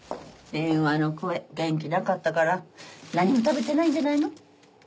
電話の声元気なかったから何も食べてないんじゃないの？